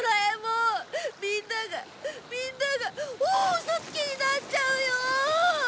みんながみんなが大ウソつきになっちゃうよ！